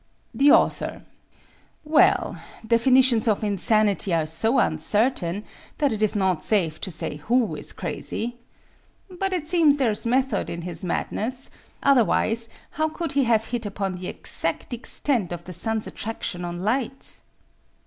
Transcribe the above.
The Author: Well, definitions of insanity are so un certain that it is not safe to say who is crazy. But it seems there's method in his madness — otherwise how could he have hit upon the exact extent of the sun's attraction on light?